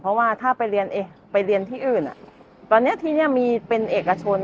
เพราะว่าถ้าไปเรียนไปเรียนที่อื่นตอนนี้ที่นี่มีเป็นเอกชน